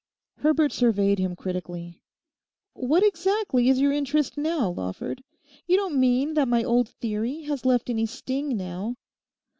Herbert surveyed him critically. 'What exactly is your interest now, Lawford? You don't mean that my old "theory" has left any sting now?